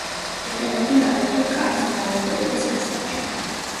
იყენებენ აგრეთვე კანის დაავადებების მოსარჩენად.